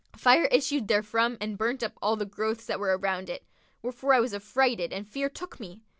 fire issued therefrom and burnt up all the growths that were around it; wherefore I was affrighted and fear took me.